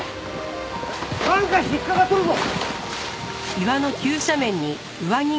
なんか引っかかっとるぞ。